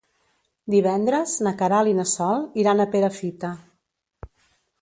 Divendres na Queralt i na Sol iran a Perafita.